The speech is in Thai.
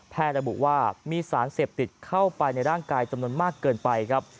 ระบุว่ามีสารเสพติดเข้าไปในร่างกายจำนวนมากเกินไปครับ